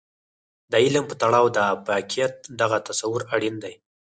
د علم په تړاو د افاقيت دغه تصور اړين دی.